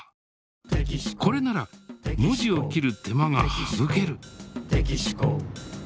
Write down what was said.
これなら文字を切る手間がはぶける。